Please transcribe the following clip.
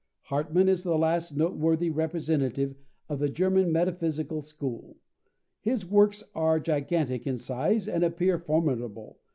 Hartmann is the last noteworthy representative of the German metaphysical school. His works are gigantic in size and appear formidable.